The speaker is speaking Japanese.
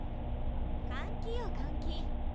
換気よ換気。